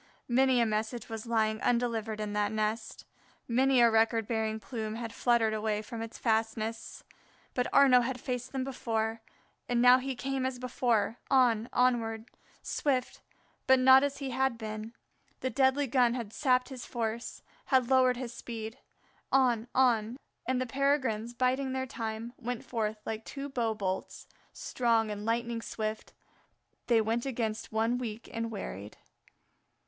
Many a message was lying undelivered in that nest, many a record bearing plume had fluttered away from its fastness. But Arnaux had faced them before, and now he came as before on, onward, swift, but not as he had been; the deadly gun had sapped his force, had lowered his speed. On, on; and the Peregrines, biding their time, went forth like two bow bolts; strong and lightning swift they went against one weak and wearied.